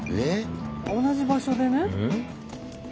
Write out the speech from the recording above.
同じ場所でね。